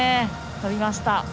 跳びました。